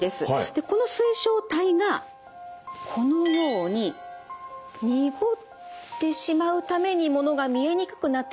この水晶体がこのように濁ってしまうためにものが見えにくくなってしまう。